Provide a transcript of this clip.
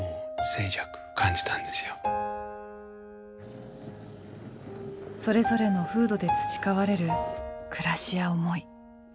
それぞれの風土で培われる暮らしや思い。